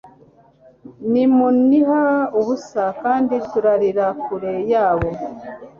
Nimuniha ubusa kandi turarira kure yabo